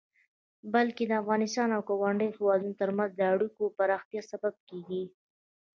بلکې د افغانستان او ګاونډيو هيوادونو ترمنځ د اړيکو د پراختيا سبب کيږي.